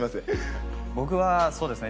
僕はそうですね